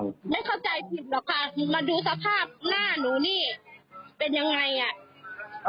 ไม่เข้าใจผิดหรอกค่ะมาดูสภาพหน้าหนูนี่เป็นยังไงอ่ะ